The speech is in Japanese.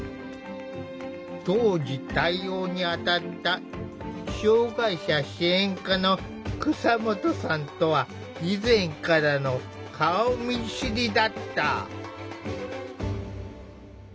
当時対応に当たった障害者支援課の蒼下さんとは以前からの顔見知りだった。